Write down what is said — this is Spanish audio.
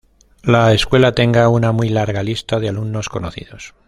La escuela tenga una muy larga lista de alumnos conocidos.